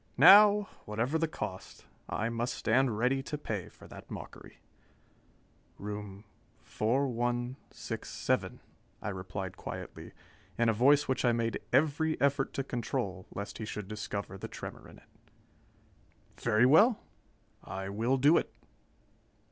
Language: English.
Now, whatever the cost, I must stand ready to pay for that mockery. "Room 4167?" I replied quietly, in a voice which I made every effort to control, lest he should discover the tremor in it. "Very well, I will do it!"